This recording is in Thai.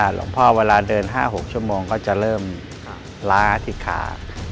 หลวงพ่อเวลาเดิน๕๖ชั่วโมงก็จะเริ่มล้าที่ขา